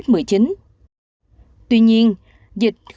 tuy nhiên dịch covid một mươi chín đã đạt bốn mươi năm so với tuần trước đó